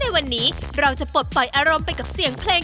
วันนี้เราจะปลดปล่อยอารมณ์ไปกับเสียงเพลง